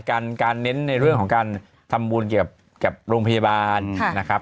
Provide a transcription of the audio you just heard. การเน้นในเรื่องของการทำบุญเกี่ยวกับโรงพยาบาลนะครับ